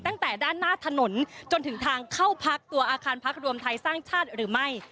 ตั้งแต่ด้านหน้าถนนจนถึงทางเข้าพักตัวอาคารพักรวมไทยสร้างชาติหรือไม่